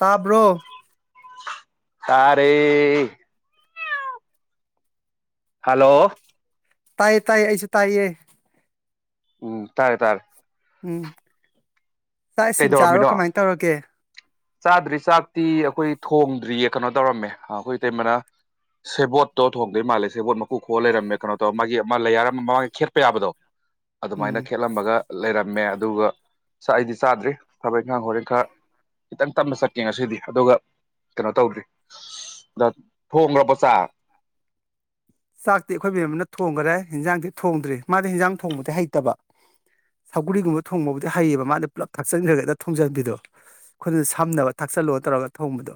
ꯇꯥꯕ꯭ꯔꯣ꯫ ꯇꯥꯔꯦ꯫ ꯍꯜꯂꯣ꯫ ꯇꯥꯏꯌꯦ ꯇꯥꯏꯌꯦ ꯑꯩꯁꯨ ꯇꯥꯏꯌꯦ꯫ ꯎꯝ ꯇꯥꯔꯦ ꯇꯥꯔꯦ꯫ ꯎꯝ ꯆꯥꯛ ꯏꯁꯤꯡ ꯆꯥꯔꯕꯣ ꯀꯩꯗꯧꯔꯝꯃꯤꯅꯣ ꯀꯃꯥꯏꯅ ꯇꯧꯔꯒꯦ꯫ ꯆꯥꯗ꯭ꯔꯤ ꯆꯥꯛꯇꯤ ꯑꯩꯈꯣꯏ ꯊꯣꯡꯗ꯭ꯔꯤꯌꯦ ꯀꯩꯅꯣ ꯇꯧꯔꯝꯃꯦ ꯑꯩꯈꯣꯏ ꯏꯇꯩꯃꯅ ꯁꯦꯕꯣꯠꯇꯣ ꯊꯣꯡꯗꯣꯏ ꯃꯥꯜꯂꯦ ꯁꯦꯕꯣꯠ ꯃꯀꯨ ꯈꯣꯛꯑ ꯂꯩꯔꯝꯃꯦ ꯀꯩꯅꯣ ꯇꯧꯔ ꯃꯥꯒꯤ ꯑꯃ ꯂꯦꯌꯥꯔ ꯑꯃ [unintelligible] ꯈꯦꯠꯄ ꯌꯥꯕꯗꯣ꯫ ꯑꯗꯨꯃꯥꯏꯅ ꯎꯝ ꯈꯦꯠꯂꯝꯃꯒ ꯂꯩꯔꯝꯃꯦ ꯑꯗꯨꯒ ꯁ ꯑꯩꯗꯤ ꯆꯥꯗ꯭ꯔꯤ ꯊꯕꯛ ꯏꯪꯈꯥꯡ ꯍꯣꯔꯦꯟ ꯈꯔ ꯈꯤꯇꯪ ꯇꯞꯅ ꯆꯠꯀꯦ ꯉꯁꯤꯗꯤ ꯑꯗꯨꯒ ꯀꯩꯅꯣ ꯇꯧꯗ꯭ꯔꯤ꯫ [unintelligible] ꯊꯣꯡꯈ꯭ꯔꯕꫭ ꯆꯥꯛ ꯆꯥꯛꯇꯤ ꯑꯩꯈꯣꯏ ꯕ‌ꯦꯝꯃꯅ ꯊꯣꯡꯈꯔꯦ ꯏꯟꯖꯥꯡꯗꯤ ꯊꯣꯡꯗ꯭ꯔꯤ ꯃꯥꯗꯤ ꯍꯦꯟꯖꯥꯡ ꯊꯣꯡꯕꯗꯤ ꯍꯩꯇꯕ ꯁꯧꯒ꯭ꯔꯤꯒꯨꯝꯕ ꯊꯣꯡꯕꯕꯨꯗꯤ ꯍꯩꯌꯦꯕ ꯃꯥꯗꯤ ꯄꯨꯂꯞ ꯊꯥꯛꯆꯟꯈ꯭ꯔꯒ ꯊꯣꯡꯖꯤꯟꯕꯤꯗꯣ ꯑꯩꯈꯣꯏꯅ ꯁꯝꯅꯕ ꯊꯥꯛꯆꯜꯂꯣ ꯇꯧꯔꯒ ꯊꯣꯡꯕꯗꯣ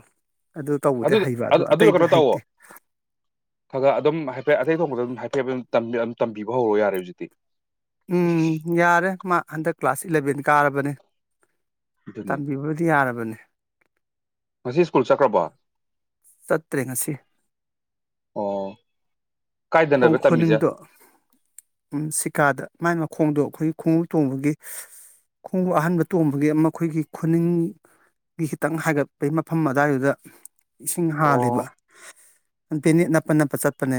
ꯑꯗꯨ ꯇꯧꯕꯗꯤ ꯍꯩꯕ ꯑꯗꯨ ꯑꯗꯨꯗꯣ ꯑꯇꯩꯗꯤ ꯀꯩꯅꯣ ꯍꯩꯇꯦ [inaudible] ꯈꯔ ꯈꯔ ꯑꯗꯨꯝ ꯍꯥꯏꯐꯦꯠ ꯑꯇꯩ ꯊꯣꯡꯕꯗ ꯑꯗꯨꯝ ꯍꯥꯏꯐꯦꯠ ꯍꯥꯏꯐꯦꯠ ꯇꯝꯕꯤ ꯇꯝꯕꯤꯕ ꯍꯧꯔꯣ ꯌꯥꯔꯦ ꯍꯧꯖꯤꯛꯇꯤ ꯎꯝ ꯌꯥꯔꯦ ꯃꯥ ꯍꯟꯗꯛ ꯀ꯭ꯂꯥꯁ ꯏꯂꯚꯦꯟ ꯀꯥꯔꯕꯅꯤ ꯑꯗꯨꯅꯤ ꯇꯝꯕꯤꯕꯕꯨꯗꯤ ꯌꯥꯔꯕꯅꯦ ꯉꯁꯤ ꯁ꯭ꯀꯨꯜ ꯆꯠꯈ꯭ꯔꯕꯣ ꯆꯠꯇ꯭ꯔꯦ ꯉꯁꯤ ꯑꯣ ꯈꯣꯡ ꯀꯥꯏꯗꯅꯣꯕ ꯇꯝꯃꯤꯁꯦ ꯈꯨꯅꯤꯡꯗꯣ ꯎꯝ ꯁꯤꯀꯥꯗ ꯃꯥꯏ ꯃꯈꯣꯡꯗꯣ ꯑꯩꯈꯣꯏꯒꯤ ꯈꯣꯡꯎꯞ ꯇꫭꯡꯕꯒꯤ ꯈꯣꯡꯎꯞ ꯑꯍꯟꯕ ꯇꯣꯡꯕꯒꯤ ꯑꯃ ꯑꯩꯈꯣꯏꯒꯤ ꯈꯨꯅꯤꯡ ꯒꯤ ꯈꯤꯇꯪ ꯍꯥꯏꯒꯠꯄꯒꯤ ꯃꯐꯝ ꯑꯗꯨꯋꯥꯏꯗꯨꯗ ꯏꯁꯤꯡ ꯍꯥꯜꯂꯤꯕ ꯑꯣ ꯕ‌ꯦꯅꯦꯠ ꯅꯞꯄ ꯅꯞꯄ ꯆꯠꯄꯅꯦ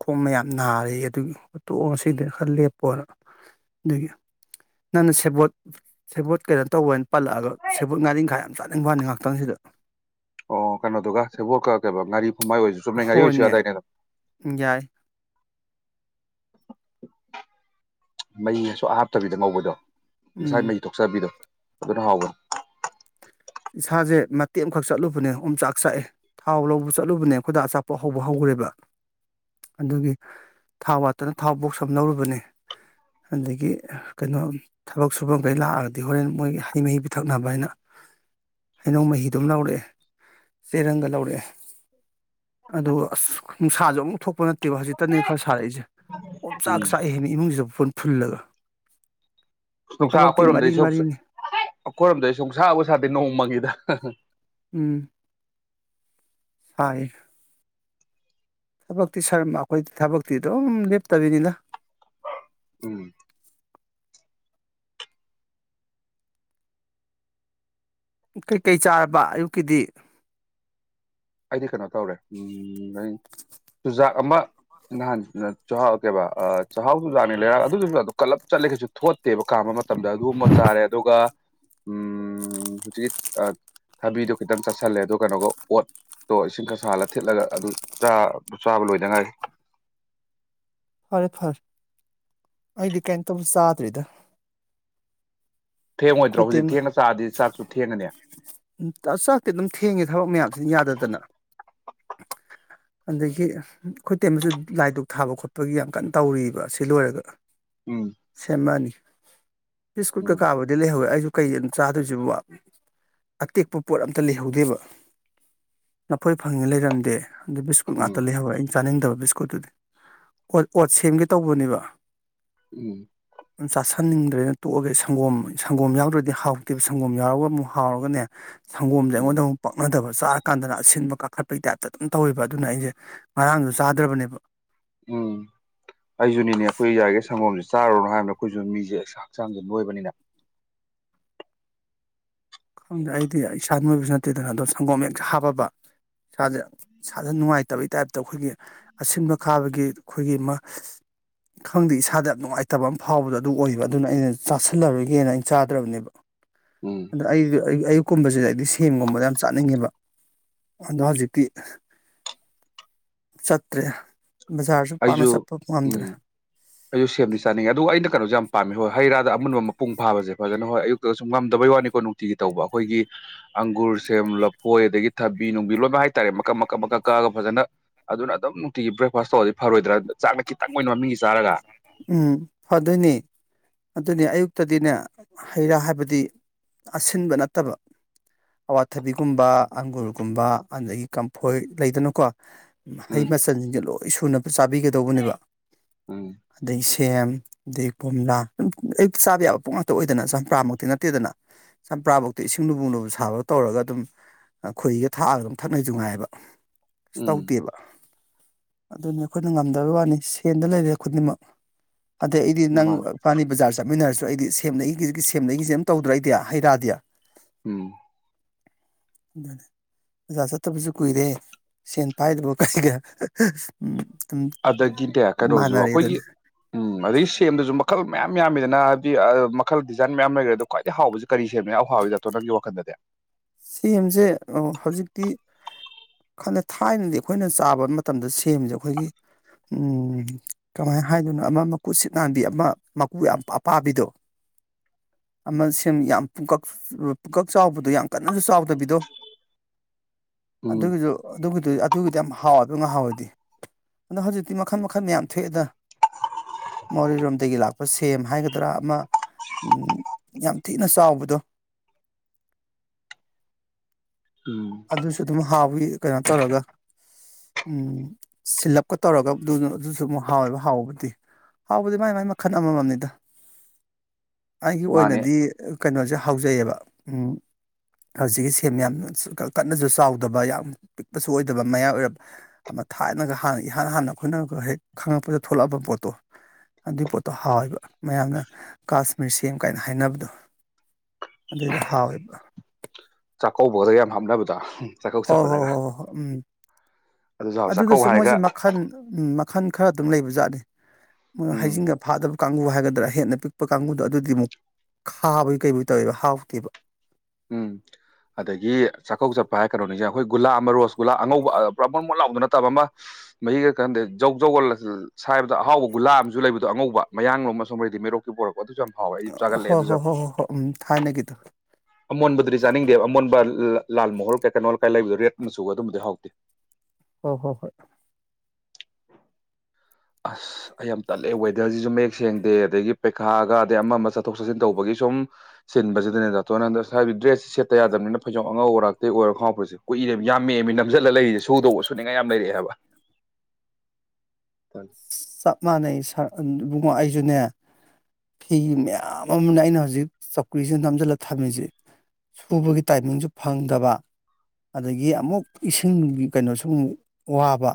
ꯈꯣꯡꯗꫭ ꯃꯌꯥꯝ ꯅꯥꯔꯦ ꯑꯗꯨꯒꯤ ꯇꯣꯛꯑꫭ ꯉꯁꯤꯗꯤ ꯈꯔ ꯂꯦꯞꯄꫭꯅ ꯑꯗꯨꯒꯤ ꯅꯪꯅ ꯁꯦꯕꯣꯠ ꯁꯦꯕꯣꯠ ꯀꯩꯩꯅꯣ ꯇꯧꯕꯅ ꯄꯜꯂꯛꯑꯒ ꯁꯦꯕꫭꯠ ꯉꯥꯔꯤꯟꯈꯥ ꯌꯥꯝ ꯆꯥꯅꯤꯡꯕꯩ ꯋꯥꯅꯤ ꯉꯥꯛꯇꯪꯁꯤꯗ ꯑꯣ ꯀꯩꯅꯣꯗꯨꯒ ꯁꯦꯕꯣꯛꯀ ꯀꯩꯕ ꯉꯥꯔꯤ ꯐꯨꯝꯃꯥꯏ ꯑꯣꯏꯔꯁꯨ ꯆꯨꯝꯃꯦ ꯉꯥꯔꯤ ꯑꯣꯏꯁꯨ ꯌꯥꯗꯥꯏꯅ‌ꯦ ꯎꯝ ꯌꯥꯏ ꯃꯩꯍꯤ ꯁꯨꯡꯍꯥꯞ ꯍꯥꯞꯇꯕꯤꯗ ꯉꯧꯕꯗꯣ ꯃꯁꯥꯏ ꯎꯝ ꯃꯩꯍꯤ ꯊꯣꯛꯆꯕꯤꯗꯣ ꯑꯗꯨꯅ ꯍꯥꯎꯕꯅꯤ ꯏꯁꯥꯁꯦ ꯃꯇꯦꯛ ꯑꯃꯈꯛ ꯆꯠꯂꯨꯕꯅꯦ ꯑꫭꯝ ꯆꯥꯛ ꯆꯥꯛꯑꯦ ꯊꯥꯎ ꯂꯧꯕ ꯆꯠꯂꯨꯕꯅꯦ ꯑꯩꯈꯣꯏ ꯗꯥ ꯑꯆꯥꯄꯣꯠ ꯍꯧꯕ ꯍꯧꯈ꯭ꯔꯦꯕ ꯑꯗꯨꯒꯤ ꯊꯥꯎ ꯋꯥꯠꯇꯅ ꯊꯥꯎ ꯕꯣꯛꯁ ꯑꯃ ꯂꯧꯔꯨꯕꯅꯦ ꯑꯗꯒꯤ ꯀꯩꯅꯣ ꯊꯕꯛ ꯁꯨꯐꯝ ꯗꯩ ꯂꯥꯛꯑꯗꯤ ꯍꯣꯔꯦꯟ ꯃꯣꯏ ꯍꯩ ꯃꯍꯤ ꯄꯤꯊꯛꯅꯕꯅ ꯍꯩꯅꯧ ꯃꯍꯤꯗꯨ ꯑꯃ ꯂꯧꯔꯛꯑꯦ ꯆꯦꯔꯪꯒ ꯂꯧꯔꯛꯑꯦ ꯑꯗꯨ ꯑꯁ ꯅꯨꯡꯁꯥꯁꯨ ꯑꯝꯇ ꯊꯣꯛꯄ ꯅꯠꯇꯦꯕ ꯍꯧꯖꯤꯛꯇꯅꯦ ꯈꯔ ꯁꯥꯔꯛꯏꯖ‌ꯦ ꯑꯣꯝ ꯆꯥꯛ ꯎꯝ ꯆꯥꯛꯑꯦꯃꯦ ꯏꯃꯨꯡꯁꯤꯗ ꯐꯨꯟ ꯐꯨꯜꯂꯒ ꯅꯨꯡꯁꯥ ꯊꯕꯛꯇꯤ ꯃꯔꯤ ꯑꯩꯈꯣꯏꯔꯣꯝꯗꯩꯁꯨ ꯃꯔꯤꯅꯤ ꯑꯩꯈꯣꯏꯔꯣꯝꯗ ꯁꯨꯡꯁꯥꯕꯨ ꯁꯥꯗꯦ ꯅꯣꯡꯃꯪꯉꯤꯗ ꯎꯝ ꯁꯥꯏꯌ‌ꯦ ꯊꯕꯛꯇꯤ ꯁꯔꯃ ꯑꯩꯈꯣꯏꯗꯤ ꯊꯕꯛꯇꯤ ꯑꯗꯨꯝ ꯂꯦꯞꯇꯕꯅꯤꯗ ꯎꯝ ꯀꯩꯀꯩ ꯆꯥꯔꯕ ꯑꯌꯨꯛꯀꯤꯗꯤ ꯑꯩꯗꯤ ꯀꯩꯅꯣ ꯇꯧꯔꯦ ꯎꯝ ꯆꯨꯖꯥꯛ ꯑꯃ ꯅꯍꯥꯟ ꯆꯥꯛꯍꯥꯎ ꯀꯦꯕ ꯆꯥꯍꯎꯆꯨꯖꯥꯛꯅꯤ ꯂꯩꯔꯛꯑꯒ ꯑꯗꯨ ꯆꯨꯖꯥꯛꯇꫭ ꯀꯜꯂꯞ ꯆꯠꯂꯦ ꯀꯩꯁꯨ ꯊꯣꯠꯇꯦꯕ ꯀꯥꯝꯕ ꯃꯇꯝꯗ ꯑꯗꯨꯝꯃ ꯆꯥꯔꯦ ꯑꯗꯨꯒ ꯎꯝ ꯍꯧꯖꯤꯛ ꯊꯕꯤꯗꯣ ꯈꯤꯇꯪ ꯆꯠꯁꯤꯜꯂꯦ ꯑꯗꯣ ꯀꯩꯅꯣꯒ ꯑꯣꯠ ꯇꯣ ꯏꯁꯤꯡ ꯈꯔ ꯁꯥꯍꯜꯂꯒ ꯊꯤꯠꯂꯒ ꯑꯗꯨ ꯆꯥ ꯆꯥꯕ ꯂꯣꯏꯗꯉꯥꯏꫪꯤ ꯐꯔꯦ ꯐꯔꯦ ꯑꯩꯗꯤ ꯀꯩꯝꯇꯕꯨ ꯆꯥꯗ꯭ꯔꯤꯗ ꯊꯦꯡꯉꯣꯏꯗ꯭ꯔꯣ ꯑꯩꯈꯣꯏ ꯍꯧꯖꯤꯛ ꯇꯦꯝꯃ ꯊꯦꯡꯅ ꯆꯥꯔꯗꯤ ꯆꯥꯛꯁꯨ ꯊꯦꯡꯉꯅꯤ ꯎꯝ ꯆꯥꯛꯇꯤ ꯑꯗꯨꯝ ꯊꯦꯡꯉꯦ ꯊꯕꯛ ꯃꯌꯥꯝꯁꯤꯅ ꯌꯥꯗꯗꯅ [unintelligible] ꯑꯗꯒꯤ ꯑꯩꯈꯣꯏ ꯢꯇꯦꯝꯃꯁꯨ ꯂꯥꯏꯗꯨꯛ ꯊꯥꯕ ꯈꯣꯠꯄꯒꯤ ꯌꯥꯝ ꯀꯟꯅ ꯇꯧꯔꯤꯕ ꯁꯤ ꯂꯣꯏꯔꯒ ꯎꯝ ꯁꯦꯃꯅꯤ ꯕꯤꯁꯀꯨꯜ ꯎꯝ ꯀ ꯆꯥꯕꯗꯤ ꯂꯩꯍꯧꯋꯦ ꯑꯩꯁꯨ ꯀꯩ ꯑꯗꯨꯝ ꯆꯥꯗꯣꯏꯁꯦꯕꯣ ꯑꯇꯦꯛꯄ ꯄꯣꯠ ꯑꯝꯇ ꯂꯩꯍꯧꯗꯦꯕ ꯅꯐꯣꯏ ꯐꯪꯉꯤ ꯂꯩꯔꯝꯗꯦ ꯑꯗꯨꯗ ꯕꯤꯁꯀꯨꯠ ꯎꯝ ꯉꯥꯛꯇ ꯂꯩꯍꯧꯔꯦ ꯑꯩ ꯆꯥꯅꯤꯡꯗꯕ ꯕꯤꯁꯀꯨꯠꯇꯨꯗꯤ ꯍꯣꯢ ꯑꯣꯠ ꯁꯦꯝꯒꯦ ꯇꯧꯕꯅꯦꯕ ꯎꯝ ꯆꯥꯥꯁꯟꯅꯤꯡꯗ꯭ꯔꯦꯅ ꯇꯣꯛꯑꯒꯦ ꯁꯪꯒꯣꯝ ꯁꯪꯒꯣꯝ ꯌꯥꯎꯗ꯭ꯔꯗꯤ ꯍꯥꯎꯇꯦꯕ ꯁꯪꯒꯣꯝ ꯌꯥꯎꯔꯒ ꯑꯃꯨꯛ ꯍꯥꯎꯔꯒꯅꯦ ꯁꯪꯒꯣꯝꯁꯦ ꯎꯝ ꯑꯩꯉꯣꯟꯗ ꯑꯃꯨꯛ ꯄꯛꯅꯗꯕ ꯆꯥꯔꯀꯥꯟꯗꯅ ꯑꯁꯤꯟꯕ ꯀꯥꯈꯠꯄꯒꯤ ꯇꯥꯏꯞꯇ ꯑꯗꯨꯝ ꯇꯧꯋꯦꯕ ꯑꯗꯨꯅ ꯑꯩꯁꯦ ꯉꯔꯥꯡꯁꯨ ꯆꯥꯗ꯭ꯔꯕꯅꯦꯕ ꯎꯝ ꯑꯩꯁꯨꯅꯤꯅꯦ ꯑꯩꯈꯣꯏ ꯌꯥꯔꯤꯒꯩ ꯁꯪꯒꯣꯝꯁꯦ ꯆꯥꯔꯨꯔꯅꯨ ꯍꯥꯏꯕꯅꯦ ꯑꯩꯈꯣꯏꯁꯨ ꯃꯤꯁꯦ ꯍꯛꯆꯥꯡꯁꯦ ꯅꯣꯏꯕꯅꯤꯅ ꯑꯩꯗꯤ ꯏꯁꯥ ꯅꯣꯏꯕꯁꯨ ꯅꯠꯇꯦꯗꯅ ꯑꯗ ꯁꯪꯒꯣꯝ ꯍꯦꯛ ꯍꯥꯞꯄꯕ ꯏꯁꯥꯁꯦ ꯏꯁꯥꯁꯦ ꯅꯨꯡꯉꯥꯏꯇꯕꯩ ꯇꯥꯏꯞꯇ ꯑꯩꯈꯣꯏꯒꯤ ꯑꯁꯤꯟꯕ ꯀꯥꯕꯒꯤ ꯑꯩꯈꯣꯏꯒꯤ ꯑꯃ [inaudible] ꯈꯪꯗꯦ ꯏꯁꯥꯗ ꯌꯥꯝ ꯅꯨꯡꯉꯥꯏꯇꯕ ꯑꯃ ꯐꯥꯎꯕꯗꯣ ꯑꯗꯨ ꯑꯣꯏꯕ ꯑꯗꯨꯅ ꯑꯩꯅ ꯆꯥꯥꯁꯜꯂꯔꯣꯏꯒꯦꯅ ꯑꯩꯅ ꯆꯥꯗ꯭ꯔꯕꯅꯦꯕ ꯎꯝ ꯑꯩ ꯑꯌꯨꯛꯀꯨꯝꯕꯁꯤꯗ ꯑꯩꯗꯤ ꯁꯦꯝꯒꯨꯝꯕꯗ ꯌꯥꯝ ꯆꯥꯅꯤꯡꯉꯦꯕ ꯑꯗꯣ ꯍꯧꯖꯤꯛꯇꯤ ꯆꯠꯇ꯭ꯔꯦ ꯕꯖꯥꯔꯁꯨ ꯄꯥꯛꯅ ꯑꯩꯁꯨ ꯆꯠꯄ ꯎꯝ ꯉꯝꯗ꯭ꯔꯦ ꯑꯩꯁꯨ ꯁꯦꯝꯗꯤ ꯆꯥꯅꯤꯡꯉꯦ ꯑꯗꯨ ꯑꯩꯅꯣꯁꯨ ꯌꯥꯝ ꯄꯥꯝꯃꯤ ꯍꯣꯏ ꯍꯩ ꯔꯥꯗ ꯑꯃꯨꯟꯕ ꯃꯄꯨꯡ ꯐꯥꯕꯁꯦ ꯐꯖꯅ ꯍꯣꯏ ꯑꯌꯨꯛ ꯁꯨꯝ ꯉꯝꯗꯕꯩ ꯋꯥꯅꯦꯀꯣ ꯅꯨꯡꯇꯤꯒꯤ ꯇꯧꯕ ꯑꯩꯈꯣꯏꯒꯤ ꯑꯪꯒꯨꯔ ꯁꯦꯝ ꯂꯐꯣꯏ ꯑꯗꯒꯤ ꯊꯕꯤ ꯅꯨꯡꯕꯤ ꯂꯣꯏꯅ ꯍꯥꯏꯇꯥꯔꯦ ꯃꯀꯛ ꯃꯀꯛ ꯃꯀꯛ ꯀꯛꯑꯒ ꯐꯖꯅ ꯑꯗꯨꯅ ꯑꯗꯨꯝ ꯅꯨꯡꯇꯤꯒꯤ ꯕ꯭ꯔꯦꯛꯐꯥꯁ ꯇꯧꯕꯔꯗꯤ ꯐꯔꯣꯏꯗ꯭ꯔꯥ ꯆꯥꯛꯅ ꯈꯤꯇꯪ ꯑꯣꯏꯅ ꯃꯃꯤꯡꯒꯤ ꯆꯥꯔꯒ ꯎꯝ ꯐꯥꯗꯣꯏꯅꯦ ꯑꯗꯨꯅꯦ ꯑꯌꯨꯛꯇꯗꯤꯅꯦ ꯍꯩ ꯔꯥ ꯍꯥꯏꯕꯗꯤ ꯑꯁꯤꯟꯕ ꯅꯠꯇꯕ ꯑꯋꯥꯊꯕꯤꯒꯨꯝꯕ ꯑꯪꯒꯨꯔꯒꯨꯝꯕ ꯑꯗꯒꯤ ꯀꯝꯐꯣꯏ ꯂꯩꯗꯅꯀꯣ ꯃꯍꯩ ꯎꯝ ꯃꯆꯜꯁꯤꯡꯁꯦ ꯂꯣꯏ ꯁꯨꯅ ꯆꯥꯕꯤꯒꯗꯧꯕꯅꯦꯕ ꯎꯝ ꯑꯗꯩ ꯁꯦꯝ ꯑꯗꯩ ꯀꯣꯝꯂꯥꯝ ꯑꯌꯨꯛꯇ ꯆꯥꯕ ꯌꯥꯕ ꯄꯣꯠ ꯉꯥꯛꯇ ꯑꯣꯏꯗꯅ ꯆꯝꯄ꯭ꯔꯥꯃꯛꯇꯤ ꯅꯠꯇꯦꯗꯅ ꯆꯝꯄ꯭ꯔꯥꯐꯧꯛꯇꯤ ꯏꯁꯤꯡ ꯂꯨꯝꯕꯨ ꯂꯨꯝꯕꯨ ꯁꯥꯕ ꯇꯧꯔꯒ ꯑꯗꯨꯝ ꯈꯣꯏꯍꯤꯒ ꯊꯥꯛꯑꯒ ꯑꯗꯨꯝ ꯊꯛꯅꯩꯁꯨ ꯉꯥꯏꯕ ꯎꯝ ꯇꯧꯗꯦꯕ ꯑꯗꯨꯅꯤ ꯑꯩꯈꯣꯏꯅ ꯉꯝꯗꯕꯩ ꯋꯥꯅꯤ ꯁꯦꯟꯗ ꯂꯩꯔꯦ ꯈꯨꯗꯤꯡꯃꯛ ꯑꯗꯩ ꯑꯩꯗꯤ ꯅꯪ ꯃꯥꯅꯤ ꯏꯕꯥꯅꯤ ꯕꯖꯥꯔ ꯆꯠꯃꯤꯟꯅꯔꯁꯨ ꯑꯩꯗꯤ ꯁꯦꯝ ꯂꯩꯒꯤꯁꯦ ꯁꯦꯝ ꯂꯩꯒꯤꯁꯦ ꯑꯝ ꯇꯧꯗ꯭ꯔꯥ ꯑꯩꯗꯤ ꯍꯩꯔꯥꯗꯤ ꯎꯝ [inaudible] ꯑꯣꯖꯥ ꯆꯠꯇꯕꯁꯨ ꯀꯨꯏꯔꯦ ꯁꯦꯟ ꯄꯥꯏꯗꯕꯒ ꯀꯩꯒ ꯎꯝ ꯃꯥꯅꯔꯦ ꯗꯨꯅꯤ ꯑꯝ ꯑꯗꯒꯤ ꯁꯦꯝꯗꯁꯨ ꯃꯈꯜ ꯃꯌꯥꯝ ꯌꯥꯝꯃꯤꯗꯅ ꯍꯥꯏꯕꯗꯤ ꯃꯈꯜ ꯗꯤꯖꯥꯏꯟ ꯃꯌꯥꯝ ꯂꯩꯈ꯭ꯔꯦꯗꯅ ꯈ꯭ꯋꯥꯏꯗꯒꯤ ꯍꯥꯎꯕꯁꯤ ꯀꯔꯤ ꯁꯦꯝꯅꯣ ꯑꯍꯥꯎꯕꯗ ꯑꯗꯣ ꯅꯪꯒꯤ ꯋꯥꯈꯟꯗꯗꯤ ꯁꯦꯝ ꯑꯥ ꯍꯧꯖꯤꯛꯇꯤ ꯈꯟꯗꯦ ꯊꯥꯏꯅꯗꯤ ꯑꯩꯈꯣꯏꯅ ꯆꯥꯕ ꯃꯇꯝꯗ ꯁꯦꯝꯁꯦ ꯑꯩꯈꯣꯏꯒꯤ ꯎꯝ ꯀꯃꯥꯏꯅ ꯍꯥꯏꯗꯨꯅ ꯑꯃ ꯃꯀꯨꯠ ꯁꯤꯠ ꯅꯥꯟꯕꯤ ꯑꯃ ꯃꯀꯨ ꯌꯥꯝ ꯑꯄꯥꯕꯤꯗꯣ ꯑꯃ ꯁꯤꯝ ꯌꯥꯝ ꯄꯨꯡꯀꯛ ꯄꯨꯀꯛ ꯆꯥꯎꯕꯗꯣ ꯌꯥꯝ ꯀꯟꯅꯖꯨ ꯆꯥꯎꯗꯕꯤꯗꯣ ꯎꯝ ꯑꯗꯨꯒꯤꯖꯨ ꯑꯗꯨꯒꯤꯗꯨꯗꯤ ꯑꯗꯨꯒꯤꯗꯤ ꯌꯥꯝ ꯍꯥꯎꯋꯦꯕ ꯉꯍꯥꯟꯋꯥꯏꯗꯤ ꯑꯗꯣ ꯍꯧꯖꯤꯛꯇꯤ ꯃꯈꯟ ꯃꯈꯟ ꯃꯌꯥꯝ ꯊꯣꯛꯑꯦꯗ ꯃꯣꯔꯦꯔꯣꯝꯗꯒꯤ ꯂꯥꯛꯄ ꯁꯦꯝ ꯍꯥꯏꯒꯗ꯭ꯔꯥ ꯑꯃ ꯎꯝ ꯌꯥꯝ ꯊꯤꯅ ꯆꯥꯎꯕꯗꯣ ꯎꯝ ꯑꯗꯨꯁꯨ ꯑꯗꯨꯝ ꯍꯥꯎꯋꯤ ꯀꯩꯅꯣ ꯇꯧꯔꯒ ꯎꯝ ꯁꯤꯜꯂꯞꯀ ꯇꯧꯔꯒ ꯑꯗꯨꯅ ꯑꯗꯨꯖꯨ ꯑꯃꯨꯛ ꯍꯥꯎꯋꯦꯕ ꯍꯥꯎꯕꯕꯨꯗꯤ ꯍꯥꯎꯕꯗꯤ ꯃꯥꯏ ꯃꯥꯏ ꯃꯈꯟ ꯑꯃꯝꯃꯝꯅꯤꯗ ꯑꯩꯒꯤ ꯃꯥꯅꯦ ꯑꯣꯏꯅꯗꯤ ꯀꯩꯅꯣꯖꯦ ꯍꯥꯎꯖꯩꯑꯕ ꯎꯝ ꯍꯧꯖꯤꯛꯀꯤ ꯁꯦꯝ ꯌꯥꯝꯅ ꯀꯟꯅꯖꯨ ꯆꯥꯎꯗꯕ ꯌꯥꯝ ꯄꯤꯛꯄꯁꯨ ꯑꯣꯏꯗꯕ ꯃꯌꯥꯏ ꯑꯣꯏꯔꯞ ꯑꯃ ꯊꯥꯏꯅꯒ ꯍꯥꯟꯅ ꯏꯍꯥꯟ ꯍꯥꯟꯅ ꯑꯩꯈꯣꯏꯅꯒ ꯍꯦꯛ ꯈꯪꯉꯛꯄꯗ ꯊꯣꯛꯂꯛꯑꯕ ꯄꯣꯠꯇꯣ ꯑꯗꯨꯏ ꯄꯣꯠꯇꯣ ꯍꯥꯎꯋꯦꯕ ꯃꯌꯥꯝꯅ ꯀꯥꯁꯃꯤꯔ ꯁꯦꯝ ꯀꯥꯏꯅ ꯍꯥꯏꯅꯕꯗꯣ ꯑꯗꯨꯏꯗꯣ ꯍꯥꯎꯋꯦꯕ ꯆꯥꯛꯀꯧꯕꯒꯗ ꯌꯥꯝ ꯍꯥꯞꯅꯕꯗꯣ ꯆꯥꯛꯀꯧ ꯍꯣꯏ ꯍꯣꯏ ꯍꯣꯏ ꯆꯠꯄꯗꯒ ꯍꯣꯏ ꯍꯣꯏ ꯎꯝ ꯑꯗꯨꯁꯨ ꯍꯥꯎꯋꯤ ꯆꯥꯛꯀꯧ ꯑꯗꯨꯗꯁꯨ ꯍꯥꯏꯔꯒ ꯃꯣꯏꯁꯦ ꯃꯈꯟ ꯎꯝ ꯃꯈꯟ ꯈꯔ ꯑꯗꯨꯝ ꯂꯩꯕꯖꯥꯠꯅꯤ ꯃꯣꯏ ꯎꯝ ꯍꯩꯖꯤꯡꯒ ꯐꯥꯗꯕ ꯀꯥꯡꯕꯨ ꯍꯥꯏꯒꯗ꯭ꯔꯥ ꯍꯦꯟꯅ ꯄꯤꯛꯄ ꯀꯥꯡꯕꯨꯗꯣ ꯑꯗꯨꯗꯤ ꯃꯨꯛ ꯈꯥꯕꯣꯏ ꯀꯩꯕꯨꯏ ꯇꯧꯋꯦꯕ ꯍꯥꯎꯇꯦꯕ ꯎꯝ ꯑꯗꯒꯤ ꯆꯥꯛꯀꯧꯕ ꯆꯠꯄ ꯍꯥꯏꯔ ꯀꯩꯅꯣ ꯅꯤꯖꯤꯡꯉꯦ ꯑꯩꯈꯣꯏ ꯒꯨꯂꯥ ꯑꯃ ꯔꯣꯁ ꯒꯨꯂꯥ ꯑꯉꯧꯕ ꯑ ꯄꯨꯔꯥ ꯕꯣꯟꯃꯣꯟ ꯂꯥꯎꯕꯗꯣ ꯅꯠꯇꯕ ꯑꯃ ꯃꯍꯤꯒ ꯀꯟꯗꯦ ꯖꯧꯖꯧꯒ ꯁꯥꯏꯕꯗ ꯑꯍꯥꯎꯕ ꯒꯨꯂꯥ ꯑꯃꯖꯨ ꯂꯩꯕꯗꯣ ꯑꯉꯧꯕ ꯃꯌꯥꯡꯂꯣꯝ ꯑꯁꯣꯝ ꯔꯩꯗꯤꯛ ꯃꯩꯔꯣꯛꯇꯒꯤ ꯄꯣꯔꯛ ꯑꯣ ꯑꯗꯨꯖꯨ ꯌꯥꯝ ꯐꯥꯎꯋꯦ ꯑꯩꯗꯤ ꯆꯥꯒꯜꯂꯦ ꯍꯣꯏ ꯍꯣꯏ ꯑꯗꯨꯖꯨ ꯍꯣꯏ ꯌꯥꯝ ꯍꯣꯏ ꯍꯣꯏ ꯎꯝ ꯊꯥꯏꯅꯒꯤꯗꯣ ꯑꯃꯣꯟꯕꯗꯨꯗꯤ ꯆꯥꯅꯤꯡꯗꯦꯕ ꯑꯃꯣꯟꯕ ꯂꯥꯜ ꯃꯣꯍꯣꯔ ꯀꯩ ꯀꯩꯅꯣ ꯀꯥꯏ ꯂꯩꯕꯗꯣ ꯔꯦꯠ ꯃꯆꯨ ꯑꯗꯨꯝꯕꯗꯤ ꯍꯥꯎꯇꯦ ꯍꯣꯏ ꯍꯣꯏ ꯍꯣꯏ ꯑꯁ ꯑꯩ ꯌꯥꯝ ꯇꯜꯂꯦ ꯋꯦꯗ꯭ꯔꯖꯤꯖꯨ ꯃꯌꯦꯛ ꯁꯦꯡꯗꯦ ꯑꯗꯒꯤ ꯄꯩꯈꯥꯒ ꯑꯗꯩ ꯑꯃ ꯑꯃ ꯆꯠꯊꯣꯛ ꯆꯠꯁꯤꯟ ꯇꯧꯕꯒꯤ ꯁꯨꯝ ꯁꯤꯟꯕꯖꯤꯗꯅꯦ ꯗꯥꯇꯣꯟꯅ ꯑꯟꯗ꯭ꯔ ꯁꯥꯏꯕꯗꯤ ꯗ꯭ꯔꯦꯁ ꯁꯦꯠꯇ ꯌꯥꯗꯕꯅꯤꯅ ꯐꯩꯖꯣꯝ ꯑꯉꯧ ꯑꯔꯥꯛꯇꯤ ꯑꯣꯏꯔꯣ ꯈꯉꯥꯎ ꯐꯨꯔꯤꯠꯁꯦ ꯀꯨꯏꯔꯦ ꯌꯥꯝꯃꯦꯃꯤ ꯅꯝꯖꯤꯜꯂ ꯂꯩꯔꯤꯖꯦ ꯁꯨꯗꯧꯕ ꯁꯨꯅꯤꯡꯉꯥꯏ ꯌꯥꯝ ꯂꯩꯔꯛꯑꯦ ꯍꯥꯏꯕ [unintelligible] ꯆꯞ ꯃꯥꯟꯅꯩ ꯁꯛ ꯏꯕꯨꯡꯉꯣ ꯑꯩꯖꯨꯅꯦ ꯐꯤ ꯃꯌꯥꯝ ꯑꯃꯅꯦ ꯑꯩꯅ ꯍꯧꯖꯤꯛ ꯆꯧꯀ꯭ꯔꯤꯖꯤꯅ ꯅꯝꯖꯤꯜꯂ ꯊꯝꯃꯤꯖꯦ ꯐꯨꯕꯒꯤ ꯇꯥꯏꯃꯤꯡꯖꯨ ꯐꯪꯗꯕ ꯑꯗꯒꯤ ꯑꯃꯨꯛ ꯏꯁꯤꯡꯒꯤ ꯀꯩꯅꯣꯁꯨ ꯑꯃꯨꯛ ꯋꯥꯕ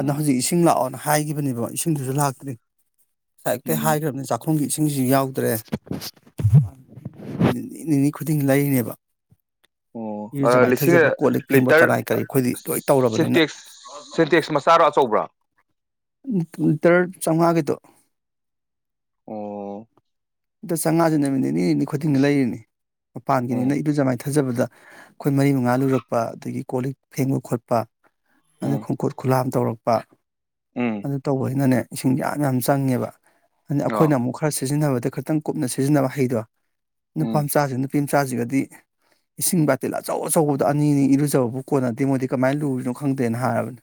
ꯎꯝ ꯍꯧꯖꯤꯛ ꯏꯁꯤꯡ ꯂꯥꯛꯑꯣꯅ ꯍꯥꯏꯒꯤꯕꯅꯦꯕ ꯏꯁꯤꯡꯗꯨꯖꯨ ꯂꯥꯛꯇ꯭ꯔꯤ ꯉꯁꯥꯏ ꯑꯌꯨꯛꯇꯩ ꯎꯝ ꯍꯥꯏꯒ꯭ꯔꯕꯅꯦ ꯖꯥꯛ ꯈꯣꯡꯒꯤ ꯏꯁꯤꯡꯖꯤꯖꯨ ꯌꯥꯎꯗ꯭ꯔꯦ ꯅꯨꯃꯤꯠ ꯅꯤꯅꯤ ꯅꯤꯅꯤ ꯈꯨꯗꯤꯡꯒꯤ ꯂꯩꯔꯤꯅꯦꯕ ꯑꯣ ꯏꯔꯨꯖ ꯑ ꯂꯤꯁꯤꯡ ꯃꯥꯏꯊꯖꯕ ꯀꯣꯜꯂꯤꯛ ꯐꯦꯡꯕ ꯂꯤꯇꯔ ꯀꯅꯥꯏ ꯀꯔꯤ ꯑꯩꯈꯣꯏꯗꯤ ꯂꯣꯏ ꯇꯧꯔꯕꯅꯤꯅ ꯁꯦꯟꯇꯦꯛꯁ ꯃꯆꯥꯔꯣ ꯑꯆꯧꯕ꯭ꯔꯣ ꯂꯤꯇ꯭ꯔ ꯆꯥꯎꯉꯥꯒꯤꯗꯣ ꯑꯣ ꯑꯗ ꯆꯡꯉꯥꯖꯦ ꯅꯨꯃꯤꯠ ꯅꯤꯅꯤ ꯅꯤꯅꯤ ꯈꯨꯗꯤꯡꯒꯤ ꯂꯩꯔꯤꯅꯤ ꯎꯝ ꯃꯄꯥꯟꯒꯤꯅꯤꯅ ꯏꯔꯨꯖ ꯃꯥꯏꯊꯖꯕꯗ ꯑꯩꯈꯣꯏ ꯃꯔꯤ ꯃꯉꯥ ꯂꯨꯔꯛꯄ ꯑꯗꯒꯤ ꯀꯣꯜꯂꯤꯛ ꯐꯦꯡꯕ ꯈꯣꯠꯄ ꯑꯗ ꯎꯝ ꯈꯣꯡꯀꯨꯠ ꯈꯨꯂꯥꯝ ꯇꯧꯔꯛꯄ ꯎꯝ ꯑꯗꯨ ꯇꯧꯕꯌꯤꯅꯅꯦ ꯏꯁꯤꯡ ꯌꯥꯝ ꯌꯥꯝ ꯆꯪꯉꯦꯕ ꯑꯅ ꯑ ꯑꯩꯈꯣꯏꯅ ꯑꯃꯨꯛ ꯈꯔ ꯁꯤꯖꯤꯟꯅꯕꯗ ꯈ ꯇꯪ ꯀꯨꯞꯅ ꯁꯤꯖꯤꯟꯅꯕ ꯍꯩꯗꯣ ꯅꯨꯄꯥ ꯎꯝ ꯃꯆꯥꯁꯤ ꯅꯨꯄꯤ ꯃꯆꯥꯁꯤꯒꯗꯤ ꯏꯁꯤꯡ ꯕꯥꯇꯤꯜ ꯑꯆꯧ ꯑꯆꯧꯕꯗ ꯑꯅꯤꯅꯤ ꯏꯔꯨꯖꯕꯕꯨ ꯀꯣꯟꯅꯗꯦ ꯃꯣꯏꯗꯤ ꯀꯃꯥꯏꯅ ꯂꯨꯔꯤꯅꯣ ꯈꯪꯗꯦꯅ ꯍꯥꯏꯔꯕꯅꯤ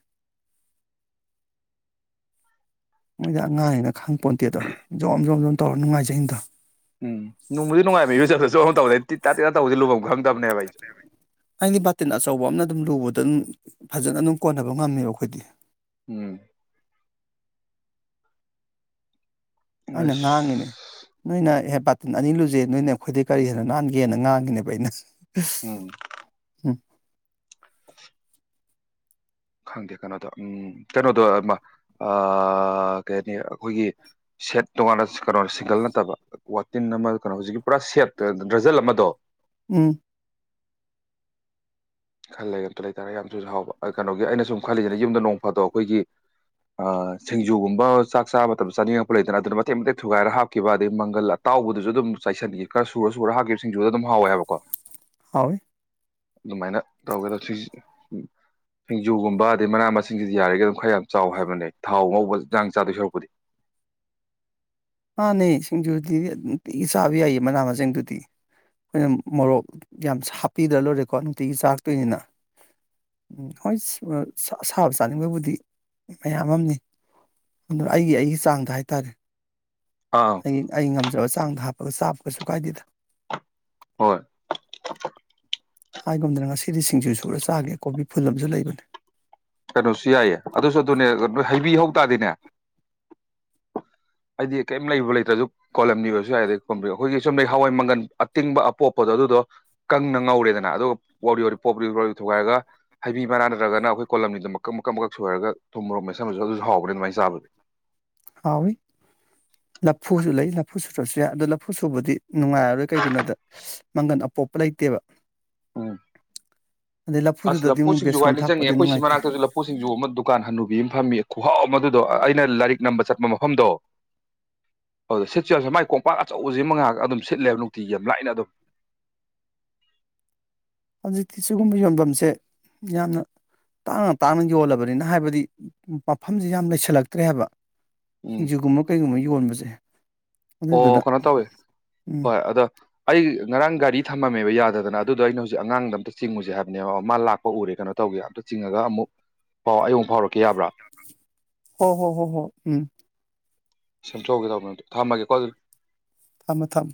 ꯃꯣꯏꯗ ꯑꯉꯥꯡꯉ ꯈꯪ ꯄꯣꯟꯇꯦꯗꯣ ꯖꯣꯝ ꯖꯣꯝ ꯖꯣꯝ ꯇꯧꯔ ꯅꯨꯡꯉꯥꯏꯖꯩꯅꯤꯗꯣ ꯎꯝ ꯅꯣꯡꯕꯨꯗꯤ ꯅꯨꯡꯉꯥꯏꯕ ꯏꯔꯨꯖꯕꯗ ꯖꯣꯝ [unintelligible] ꯇꯤꯠ ꯇꯥꯠ ꯇꯤꯇꯥ ꯇꯧꯕꯗꯤ ꯂꯨꯐꯝ ꯈꯪꯗꯦ [unintelligible] ꯍꯥꯏꯗꯤ ꯕꯥꯇꯤꯟ ꯑꯆꯧꯕ ꯑꯃꯅ ꯑꯗꯨꯝ ꯂꯨꯕꯗ ꯑꯗꯨꯝ ꯐꯖꯅ ꯑꯗꯨꯝ ꯀꯣꯟꯅꯕ ꯉꯝꯃꯦꯕꯣ ꯑꯩꯈꯣꯏꯗꯤ ꯎꯝ ꯑꯩꯅ ꯑꯁ ꯉꯥꯡꯉꯤꯅꯦ ꯅꯣꯏꯅꯍꯦ ꯕꯥꯇꯤꯟ ꯑꯅꯤ ꯂꯨꯖꯩꯌꯦ ꯅꯣꯏꯅ ꯑꯩꯈꯣꯏꯗꯩ ꯀꯔꯤ ꯍꯦꯟꯅ ꯅꯥꯟꯒꯦꯅ ꯉꯥꯡꯉꯤꯅꯦꯕ ꯑꯩꯅ ꯎꯝ ꯎꯝ ꯈꯪꯗꯦ ꯀꯩꯅꯣꯗꯣ ꯎꯝ ꯀꯩꯅꯣꯗꯣ ꯑꯃ ꯑꯥ ꯀꯩ ꯍꯥꯏꯅꯤ ꯑꯩꯈꯣꯏꯒꯤ ꯁꯦꯠ ꯇꯣꯉꯥꯟꯅ ꯀꯩꯅꯣ ꯁꯤꯡꯒꯜ ꯅꯠꯇꯕ ꯋꯥꯇꯤꯟ ꯑꯃ ꯀꯩꯅꯣ ꯍꯧꯖꯤꯛꯀꯤ ꯄꯨꯔꯥ ꯁꯦꯞ ꯗ꯭ꯔꯖꯜ ꯑꯃꯗꯣ ꯎꯝ ꯈꯜꯂꯦ [unintelligible] ꯂꯩꯇꯥꯔꯦ ꯌꯥꯝꯁꯨ ꯍꯥꯎꯕ ꯀꯩꯅꯣꯒꯤ ꯑꯩꯅ ꯁꯨꯝ ꯈꯜꯂꯤꯁꯤꯅ ꯌꯨꯝꯗ ꯅꯣꯡ ꯐꯥꯗꯣꯛ ꯑꯩꯈꯣꯏꯒꯤ ꯑꯥ ꯁꯤꯡꯖꯨꯒꯨꯝꯕ ꯆꯥꯛ ꯆꯥꯕ ꯃꯇꯝ ꯆꯥꯅꯤꯡꯉꯛꯄ ꯂꯩꯗꯅ ꯑꯗꯨꯅ ꯃꯇꯦꯛ ꯃꯇꯦꯛ ꯊꯨꯒꯥꯏꯔ ꯍꯥꯞꯈꯤꯕ ꯑꯗꯩ ꯃꯪꯒꯜ ꯇꯥꯎꯕꯗꯁꯨ ꯑꯗꯨꯝ ꯆꯥꯏꯁꯤꯟꯈꯤ ꯈꯔ ꯁꯨꯔ ꯁꯨꯔ ꯍꯥꯞꯈꯤꯕꯁꯤꯡꯁꯨꯗꯨ ꯑꯗꯨꯝ ꯍꯥꯎꯋꯦ ꯍꯥꯏꯕꯀꯣ ꯍꯥꯎꯋꯤ ꯑꯗꯨꯃꯥꯏꯅ ꯇꯧꯔꯒꯗ ꯊ꯭ꯔꯤ ꯎꯝ ꯁꯤꯡꯖꯨꯒꯨꯝꯕ ꯑꯗꯩ ꯃꯅꯥ ꯃꯁꯤꯡꯁꯤꯗꯤ ꯌꯥꯔꯤꯒꯩ ꯑꯗꯨꯝ ꯈꯔ ꯌꯥꯝ ꯆꯥꯎ ꯍꯥꯏꯕꯅꯦ ꯊꯥꯎ ꯉꯧꯕ ꯏꯟꯖꯥꯡ ꯆꯥꯗꯣꯏ ꯁꯔꯨꯛꯄꯨꯗꯤ ꯃꯥꯅꯦ ꯁꯤꯡꯖꯨꯗꯤ ꯑ ꯅꯨꯡꯇꯤꯒꯤ ꯆꯥꯕ ꯌꯥꯏꯌꯦ ꯃꯅꯥ ꯃꯁꯤꯡꯗꯨꯗꯤ ꯑꯩꯈꯣꯏꯅ ꯃꯣꯔꯣꯛ ꯌꯥꯝ ꯁꯥ ꯍꯥꯞꯄꯤꯗ꯭ꯔ ꯂꯣꯏꯔꯦꯀꯣ ꯅꯨꯡꯇꯤꯒꯤ ꯆꯥꯔꯛꯇꯣꯏꯅꯤꯅ꯫ ꯎꯝ ꯍꯣꯏ ꯁ ꯑꯁꯥꯕ ꯆꯥꯅꯤꯡꯕꯕꯨꯗꯤ ꯃꯌꯥꯝ ꯑꯃꯅꯤ ꯑꯗꯨ ꯑꯩꯒꯤ ꯑꯩꯒꯤ ꯆꯥꯡꯗ ꯍꯥꯏꯇꯥꯔꯦ꯫ ꯑꯥ ꯑꯩ ꯑꯩ ꯉꯝꯖꯕ ꯆꯥꯡꯗ ꯍꯥꯞꯄꯒ ꯆꯥꯕꯒꯩꯁꯨ ꯀꯥꯏꯗꯦꯗ ꯍꯣꯏ ꯍꯥꯏꯒꯨꯝꯗꯅ ꯉꯁꯤꯗꯤ ꯁꯤꯡꯖꯨ ꯁꯨꯔ ꯆꯥꯒꯦ ꯀꯣꯕꯤ ꯐꯨꯜ ꯑꯃꯁꯨ ꯂꯩꯕꯅꯦ꯫ ꯀꯩꯅꯣꯁꯨ ꯌꯥꯏꯌꯦ ꯑꯗꯨꯁꯨ ꯑꯗꯨꯅꯦ ꯅꯣꯏ ꯍꯩꯕꯤꯍꯧ ꯇꯥꯥꯔꯗꯤꯅꯦ ꯑꯩꯗꯤ ꯀꯩꯝ ꯂꯩꯕ ꯂꯩꯇ꯭ꯔꯁꯨ ꯀꯣꯂꯝꯅꯤ ꯑꯣꯏꯁꯨ ꯌꯥꯏ ꯑꯗꯩ ꯀꯣꯝꯄ꯭ꯔꯦꯛ ꯑꯩꯈꯣꯏꯒꯤ ꯆꯨꯝꯅꯩ ꯍꯋꯥꯏ ꯃꯪꯒꯟ ꯑꯇꯤꯡꯕ ꯑꯄꯣꯞꯄꯗꯣ ꯑꯗꯨꯗꯣ ꯀꯪꯅ ꯉꯧꯔꯦꯗꯅ ꯑꯗꯨꯒ ꯋꯥꯔꯤ ꯋꯥꯎꯔꯤ ꯄꯣꯞꯂꯤ [unintelligible] ꯊꯨꯒꯥꯏꯔꯒ ꯍꯩꯕꯤ ꯃꯅꯥ ꯅꯠꯇ꯭ꯔꯒꯅ ꯑꯩꯈꯣꯏ ꯀꯣꯂꯝꯅꯤꯗꯨ ꯃꯀꯛ ꯃꯀꯛ ꯃꯀꯛ ꯁꯣꯏꯔꯒ ꯊꯨꯝ ꯃꯣꯔꯣ ꯃꯦꯠꯁꯤꯟꯕꯁꯨ ꯑꯗꯨꯁꯨ ꯍꯥꯎꯕꯅꯦ ꯑꯗꯨꯃꯥꯏꯅ ꯆꯕꯗꯨ ꯍꯥꯎꯏꯋꯤ ꯂꯐꯨꯁꯨ ꯂꯩ ꯂꯐꯨ ꯁꯨꯨꯗ꯭ꯔꯁꯨ ꯌꯥꯏ ꯑꯗꯨꯗ ꯂꯐꯨ ꯁꯨꯕꯗꯤ ꯅꯨꯡꯉꯥꯏꯔꯔꯣꯏ ꯀꯩꯒꯤꯅꯣꯗ ꯃꯪꯒꯟ ꯑꯄꯣꯞꯄ ꯂꯩꯇꯦꯕ꯫ ꯎꯝ ꯑꯗꯩ ꯑꯁ ꯂꯐꯨꯗꯨꯗꯗꯤ ꯂꯐꯨ ꯑꯃꯨꯛ ꯁꯤꯡꯖꯨ ꯕꯦꯁꯣꯟ ꯍꯥꯏꯔ ꯅꯤꯡꯁꯤꯡꯉꯦ ꯊꯥꯛꯄꯗꯤ ꯑꯩꯈꯣꯏꯒꯤ ꯅꯨꯡꯉꯥꯏꯇꯦ ꯃꯅꯥꯛꯇꯁꯨ ꯄꯣꯠꯁꯤꯡꯁꯨ ꯑꯃ ꯗꯨꯀꯥꯟ ꯍꯟꯅꯨꯕꯤ ꯑꯃ ꯐꯝꯃꯤ ꯈꯨꯍꯥꯎ ꯃꯗꯨꯗꯣ ꯑꯩꯅ ꯂꯥꯏꯔꯤꯛ ꯅꯝꯕ ꯆꯠꯄ ꯃꯐꯝꯗꯣ ꯑꯗꯨꯗ ꯁꯤꯠꯁꯨ ꯌꯥꯝꯁꯦ ꯃꯥꯏ ꯀꯣꯝꯄꯥꯛ ꯑꯆꯧꯕꯁꯤ ꯃꯉꯥꯒ ꯑꯗꯨꯝ ꯁꯤꯠꯂꯦꯕ ꯅꯨꯡꯇꯤꯒꯤ ꯌꯥꯝ ꯂꯥꯏꯅ ꯑꯗꯨꯝ ꯍꯧꯖꯤꯛꯇꯤ ꯁꯤꯒꯨꯝꯕ ꯌꯣꯟꯐꯝꯁꯦ ꯌꯥꯝꯅ ꯇꯥꯡꯅ ꯇꯥꯡꯅ ꯌꯣꯜꯂꯕꯅꯤꯅ ꯍꯥꯏꯕꯗꯤ ꯃꯐꯝꯁꯤ ꯌꯥꯝ ꯂꯩꯁꯜꯂꯛꯇ꯭ꯔꯦ ꯍꯥꯏꯕ ꯎꯝ ꯁꯤꯡꯖꯨꯒꯨꯝꯕ ꯀꯩꯒꯨꯝꯕ ꯌꯣꯟꯕꯁꯦ ꯑꯣ ꯑꯗꯨꯗꯨꯅ ꯀꯩꯅꯣ ꯇꯧꯋꯦ ꯎꯝ ꯍꯣꯏ ꯑꯗ ꯑꯩ ꯉꯔꯥꯡ ꯒꯥꯔꯤ ꯊꯝꯃꯝꯃꯦꯕ ꯌꯥꯗꯗꯅ ꯑꯗꯨꯗꯣ ꯑꯩꯅ ꯍꯧꯖꯤꯛ ꯑꯉꯥꯡꯗ ꯑꯝꯇ ꯆꯤꯡꯉꯨꯁꯦ ꯍꯥꯏꯕꯅꯦꯕ ꯃꯥ ꯂꯥꯛꯄ ꯎꯔꯦ ꯀꯩꯅꯣ ꯇꯧꯒꯦ ꯑꯝꯇ ꯆꯤꯡꯉꯒ ꯑꯃꯨꯛ ꯄꯥꯎ ꯑꯌꯨꯛ ꯐꯥꯎꯔꯛꯀꯦ ꯌꯥꯕ꯭ꯔꯥ ꯍꯣ ꯍꯣ ꯍꯣ ꯍꯣ ꯎꯝ ꯁꯦꯝ ꯊꯣꯛꯎꯒꯦ ꯇꯧꯕꯅꯦ ꯊꯝꯃꯒꯦꯀꯣ ꯑꯗꯨꯗꯤ ꯊꯝꯃꯣ ꯊꯝꯃꯣ